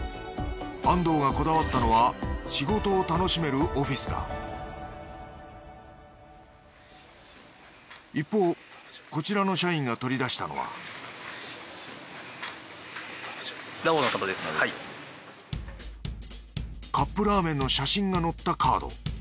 安藤がこだわったのは仕事を楽しめるオフィスだ一方こちらの社員が取り出したのはカップラーメンの写真が載ったカード。